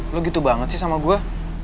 lo gitu banget sih sama gue